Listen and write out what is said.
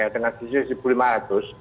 dengan sisi rp satu lima ratus